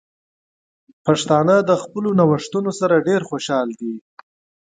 پښتانه د خپلو نوښتونو سره ډیر خوشحال دي.